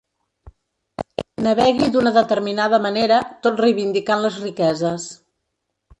Navegui d'una determinada manera, tot reivindicant les riqueses.